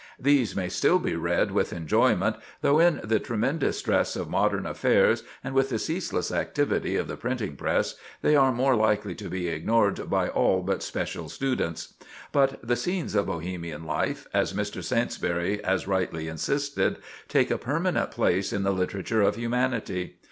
These may still be read with enjoyment, though in the tremendous stress of modern affairs, and with the ceaseless activity of the printing press, they are more likely to be ignored by all but special students. But the "Scenes of Bohemian Life," as Mr. Saintsbury has rightly insisted, take a permanent place in the literature of humanity.